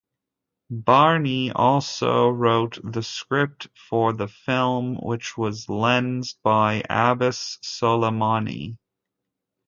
Bahrani also wrote the script for the film which was lensed by Abbas Soleimani.